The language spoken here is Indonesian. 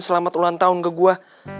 selamat ulang tahun ke gue